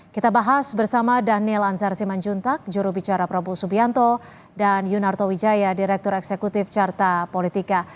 kita bahas bersama daniel anzar simanjuntak jurubicara prabowo subianto dan yunarto wijaya direktur eksekutif carta politika